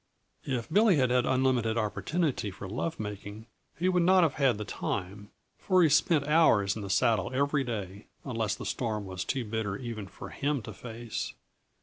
If Billy had had unlimited opportunity for lovemaking, he would not have had the time, for he spent hours in the saddle every day, unless the storm was too bitter for even him to face.